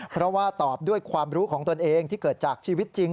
เพราะว่าตอบด้วยความรู้ของตนเองที่เกิดจากชีวิตจริง